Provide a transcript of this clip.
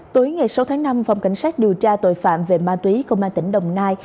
tối ngày sáu tháng năm phòng cảnh sát điều tra tội phạm về ma túy công an tỉnh đồng nai